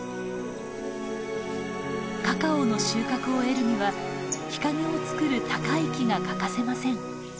カカオの収穫を得るには日陰を作る高い木が欠かせません。